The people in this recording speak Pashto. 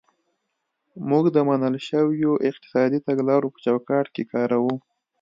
موږ د منل شویو اقتصادي تګلارو په چوکاټ کې کار کوو.